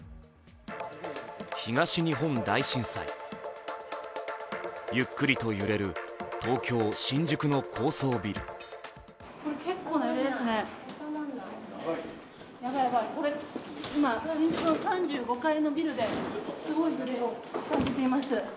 東日本大震災、ゆっくりと揺れる東京・新宿の高層ビル。